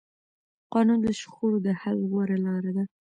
قانون د شخړو د حل غوره لاره ده